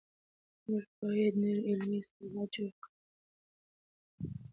موږ بايد نوي علمي اصطلاحات جوړ کړو.